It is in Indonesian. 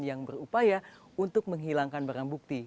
yang berupaya untuk menghilangkan barang bukti